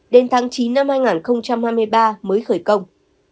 đến tháng chín năm hai nghìn hai mươi ba mới khởi công